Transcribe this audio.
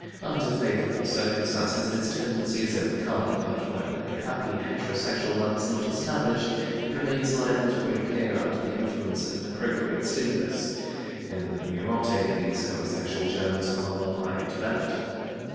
Under favorable circumstances this tendency is overcome, but when a happy heterosexual love is not established it remains liable to reappear under the influence of an appropriate stimulus. In the neurotic these homosexual germs are more highly developed.